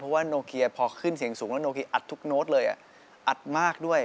เพราะว่าโนเคียพอขึ้นเสียงสูงแล้วโนเคียอัดทุกโน้ตเลยอัดมากด้วย